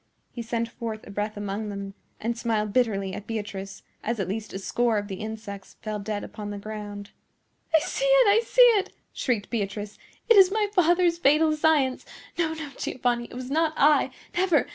He sent forth a breath among them, and smiled bitterly at Beatrice as at least a score of the insects fell dead upon the ground. "I see it! I see it!" shrieked Beatrice. "It is my father's fatal science! No, no, Giovanni; it was not I! Never!